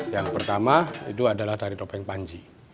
yang pertama itu adalah tari topeng panji